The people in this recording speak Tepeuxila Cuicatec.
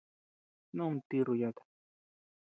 Snu ama tirru yata.